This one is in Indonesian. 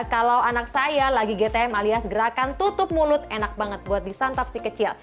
kalau anak saya lagi gtm alias gerakan tutup mulut enak banget buat disantap si kecil